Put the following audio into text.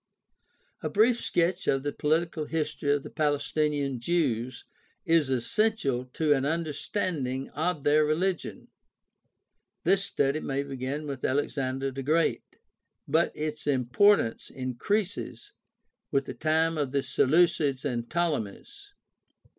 — A brief sketch of the political history of the Palestinian Jews is essential to an understanding of their religion. This study may begin with Alexander the Great, but its importance increases with the time of the Seleucids and Ptolemies.